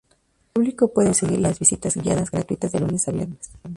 El público puede seguir las visitas guiadas gratuitas de lunes a viernes.